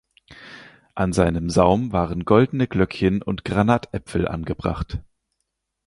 An seinem Saum waren goldene Glöckchen und Granatäpfel angebracht.